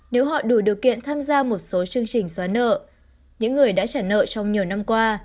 nếu họ đủ điều kiện tham gia một số chương trình xóa nợ những người đã trả nợ trong nhiều năm qua